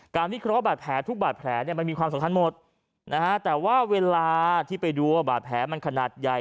วิเคราะห์บาดแผลทุกบาดแผลเนี่ยมันมีความสำคัญหมดนะฮะแต่ว่าเวลาที่ไปดูว่าบาดแผลมันขนาดใหญ่